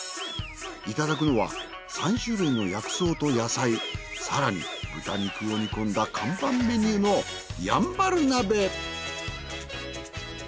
いただくのは３種類の薬草と野菜更に豚肉を煮込んだ看板メニューのやんばる鍋。